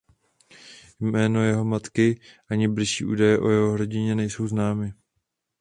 Jméno jeho matky ani bližší údaje o jeho rodině nejsou známy.